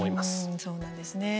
そうなんですね。